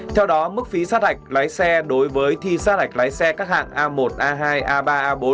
theo đó mức phí sát hạch lái xe đối với thi sát hạch lái xe các hạng a một a hai a ba a bốn